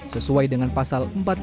sesuai dengan pasal empat puluh lima